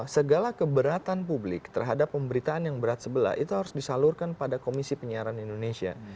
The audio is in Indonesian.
segala keberatan publik terhadap pemberitaan yang berat sebelah itu harus disalurkan pada komisi penyiaran indonesia